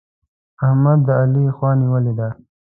احمد د علي خوا نيولې ده.